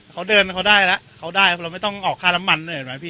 เขาเดินเขาได้แล้วเขาได้เราไม่ต้องออกค่าน้ำมันด้วยเห็นไหมพี่